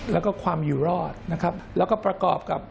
แล้วก็ความอยู่รอดนะครับแล้วก็ประกอบกับ